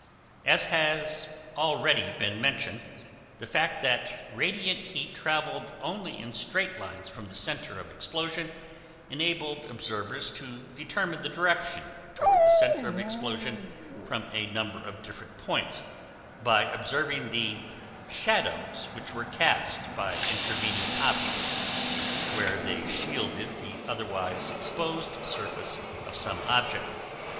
As has already been mentioned the fact that radiant heat traveled only in straight lines from the center of explosion enabled observers to determine the direction toward the center of explosion from a number of different points, by observing the "shadows" which were cast by intervening objects where they shielded the otherwise exposed surface of some object.